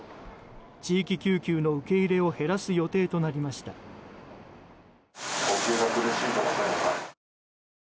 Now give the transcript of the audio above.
地域救急の受け入れを減らす予定となりました。